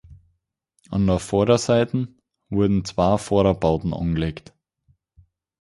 An der Vorderseite wurden zwei Vorderbauten angelegt.